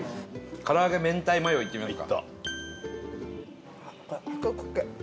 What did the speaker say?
唐揚げ明太マヨいってみますか。